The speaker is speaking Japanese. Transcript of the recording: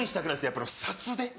やっぱり札で！